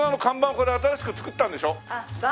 これ新しく作ったんでしょ？